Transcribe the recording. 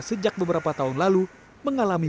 sejak beberapa tahun lalu mengalami